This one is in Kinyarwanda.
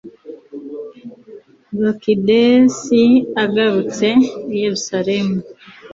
bakidesi agarutse i yeruzalemu